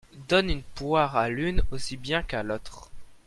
Donne une poire à l'une aussi bien qu'à l'autre.